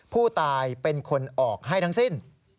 ผู้ตายเป็นคนออกให้ทั้งสิ้น